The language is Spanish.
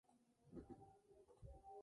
El las animó a tocar y a formar una banda.